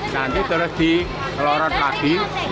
nanti terus di lorot lagi